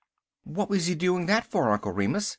"What was he doing that for, Uncle Remus?"